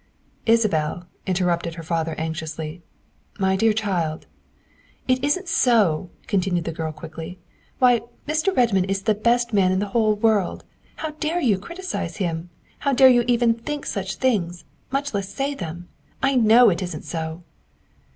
" Isabel," interrupted her father anxiously, " my dear child." " It isn't so," continued the girl quickly. " Why, Mr. Kedmond is the best man in the whole world. How dare you criticise him? How dare you even think such things, much less say them? I know it isn't so."